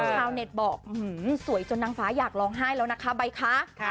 ชาวเน็ตบอกสวยจนนางฟ้าอยากร้องไห้แล้วนะคะใบคะ